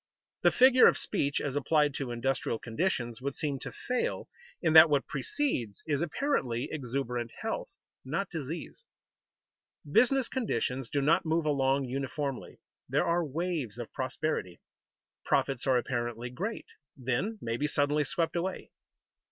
The figure of speech as applied to industrial conditions would seem to fail, in that what precedes is apparently exuberant health, not disease. Business conditions do not move along uniformly. There are waves of prosperity. Profits are apparently great, then may be suddenly swept away.